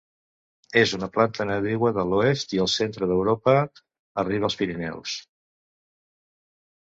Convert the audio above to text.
És una planta nadiua de l'oest i el centre d'Europa, arriba als Pirineus.